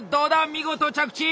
見事着地！